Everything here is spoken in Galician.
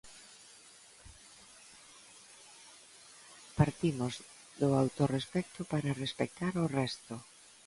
Partimos do autorespecto para respectar o resto.